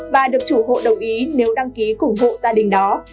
và được chủ hộ đồng ý nếu đăng ký ủng hộ gia đình đó